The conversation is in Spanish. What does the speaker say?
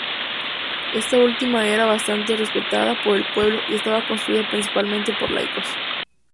Esta última era bastante respetada por el pueblo y estaba constituida principalmente por laicos.